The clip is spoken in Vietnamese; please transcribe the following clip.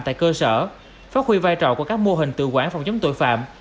tại cơ sở phát huy vai trò của các mô hình tự quản phòng chống tội phạm